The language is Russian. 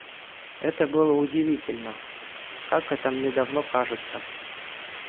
Это было удивительно... Как это мне давно кажется!